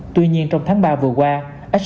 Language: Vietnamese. tuy nhiên trong tháng ba vừa qua